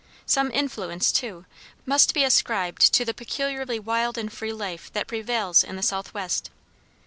Some influence, too, must be ascribed to the peculiarly wild and free life that prevails in the southwest.